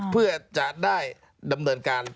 เพื่อจะได้ดำเนินการ